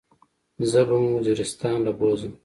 زه به مو وزيرستان له بوزم.